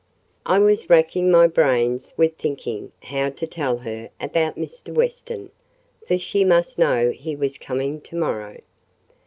I was racking my brains with thinking how to tell her about Mr. Weston, for she must know he was coming to morrow.